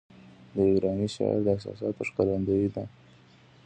د یوه ایراني شاعر د احساساتو ښکارندوی ده.